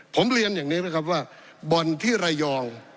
ผมเรียนอย่างนี้นะครับว่าบ่อนที่ระยอง